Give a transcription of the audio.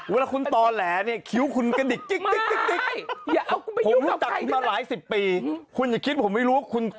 เวลาคุณต่อแหลเนี่ยคิ้วคุณกระดิกจิ๊ก